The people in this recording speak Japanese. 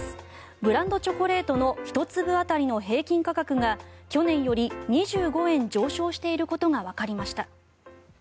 ブランドチョコレートの１粒当たりの平均価格が去年より２５円上昇していることがわかりました。